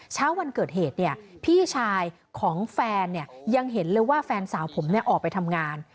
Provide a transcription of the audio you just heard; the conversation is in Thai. เช้าวันเกิดเหตุเนี่ยพี่ชายของแฟนยังเห็นเลยว่าแฟนสาวผมออกไปทำงาน